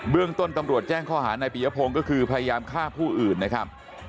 เรื่องต้นตำรวจแจ้งข้อหาในปียพงศ์ก็คือพยายามฆ่าผู้อื่นนะครับ